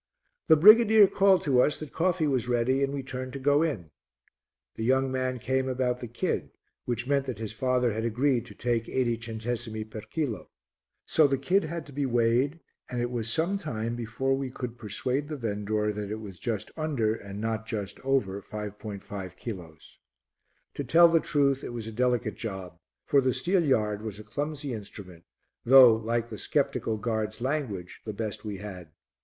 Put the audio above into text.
The brigadier called to us that coffee was ready and we turned to go in. The young man came about the kid, which meant that his father had agreed to take 80 centesimi per kilo. So the kid had to be weighed and it was some time before we could persuade the vendor that it was just under and not just over 5.5 kilos. To tell the truth, it was a delicate job, for the steelyard was a clumsy instrument, though, like the sceptical guard's language, the best we had.